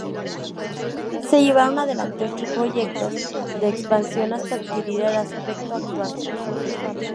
Se llevaron adelante ocho proyectos de expansión hasta adquirir el aspecto actual.